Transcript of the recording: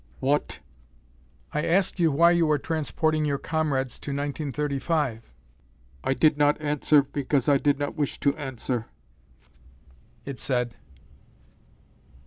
"What?" "I asked you why you are transporting your comrades to 1935." "I did not answer because I did not wish to answer," it said.